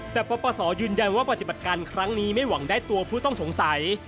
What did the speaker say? แต่ปปศยืนยันว่าปฏิบัติการครั้งนี้ไม่หวังได้ตัวผู้ต้องสงสัย